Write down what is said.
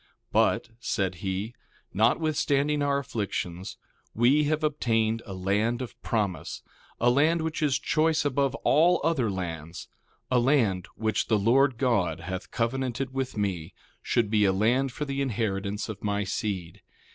1:5 But, said he, notwithstanding our afflictions, we have obtained a land of promise, a land which is choice above all other lands; a land which the Lord God hath covenanted with me should be a land for the inheritance of my seed.